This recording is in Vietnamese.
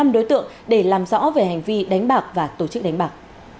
năm đối tượng để làm rõ về hành vi đánh bạc và tổ chức đánh bạc